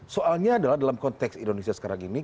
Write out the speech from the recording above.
soalnya adalah dalam konteks indonesia sekarang ini